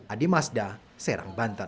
adi mazda serang banten